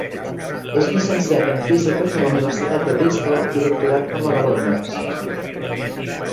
És llicenciat en Física per la Universitat de Bristol i doctorat per la de Londres.